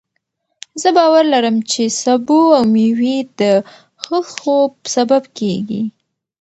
زه باور لرم چې سبو او مېوې د ښه خوب سبب کېږي.